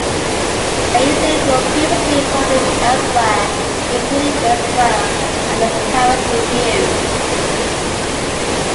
The essays were previously published elsewhere, including in "Esquire" and "The Paris Review".